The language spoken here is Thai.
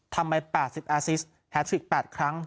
ทำไปแปดสิบแอซิสต์แฮทฟลิกแปดครั้ง